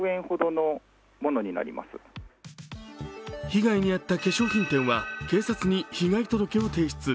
被害に遭った化粧品店は警察に被害届を提出。